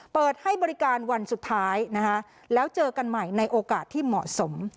เปิดให้บริการวันสุดท้ายนะคะแล้วเจอกันใหม่ในโอกาสที่เหมาะสม